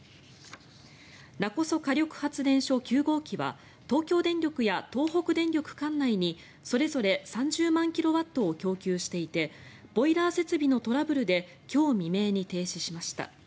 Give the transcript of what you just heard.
勿来火力発電所９号機は東京電力や東北電力管内にそれぞれ３０万キロワットを供給していてボイラー設備のトラブルで今日未明に停止しました。